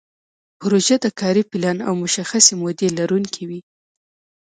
پروژه د کاري پلان او مشخصې مودې لرونکې وي.